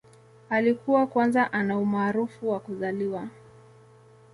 Alikuwa kwanza ana umaarufu wa kuzaliwa.